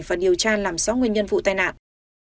và điều tra làm rõ nguyên nhân vụ tai nạn